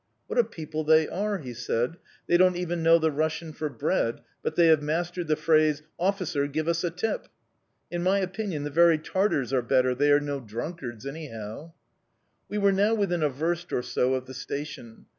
"What a people they are!" he said. "They don't even know the Russian for 'bread,' but they have mastered the phrase 'Officer, give us a tip!' In my opinion, the very Tartars are better, they are no drunkards, anyhow."... We were now within a verst or so of the Station.